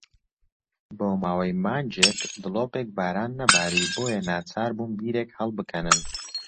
بۆ ماوەی مانگێک دڵۆپێک باران نەباری، بۆیە ناچار بوون بیرێک هەڵبکەنن.